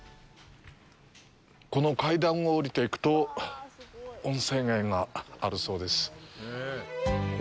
この階段を下りていくと温泉街があるそうです。